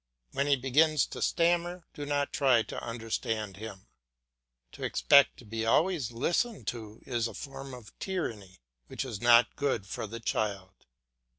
When he begins to stammer, do not try to understand him. To expect to be always listened to is a form of tyranny which is not good for the child.